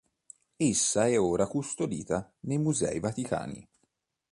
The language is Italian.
Essa è ora custodita nei Musei Vaticani.